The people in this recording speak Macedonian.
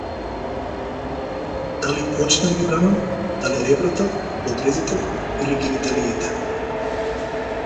Дали очите да ги бранам, дали ребрата, бубрезите или гениталиите?